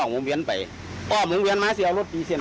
มีโค้งมั้ยครับมีโค้ง